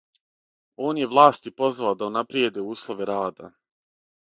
Он је власти позвао да унаприједе услове рада.